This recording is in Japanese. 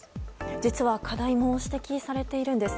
実は課題も指摘されているんです。